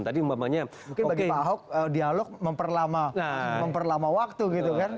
tadi umpamanya mungkin bagi pak ahok dialog memperlama waktu gitu kan